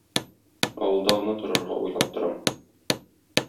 Авылда гына торырга уйлап торам.